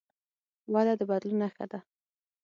وده د بدلون نښه ده.